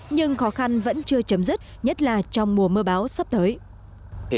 nhưng khó khăn vẫn chưa chấm dứt nhất là trong mùa mưa báo sắp tới